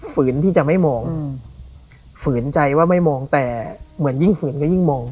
ที่จะไม่มองฝืนใจว่าไม่มองแต่เหมือนยิ่งฝืนก็ยิ่งมอง